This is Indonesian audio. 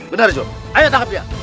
benar jo ayo tangkap dia